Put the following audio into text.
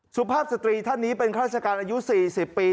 สุภาพสตรีท่านนี้เป็นข้าราชการอายุ๔๐ปี